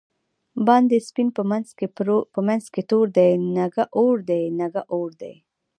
باندی سپین په منځ کی تور دی، نګه اوردی؛ نګه اوردی